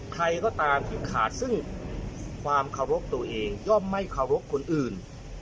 ใครก็ตามที่ขาดซึ่งความเคารพตัวเองย่อมไม่เคารพคนอื่น